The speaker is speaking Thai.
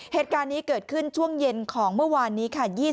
เหตุการณ์นี้เกิดขึ้นช่วงเย็นของเมื่อวานนี้ค่ะ